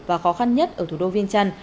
và khó khăn nhất ở thủ đô viên trần